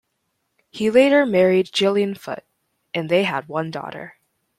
He later married Gillian Foote, and they had one daughter.